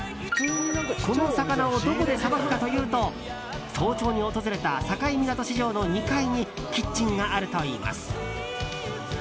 この魚をどこでさばくかというと早朝に訪れた境港市場の２階にキッチンがあるといいます。